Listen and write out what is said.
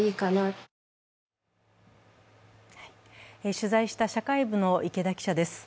取材した社会部の池田記者です。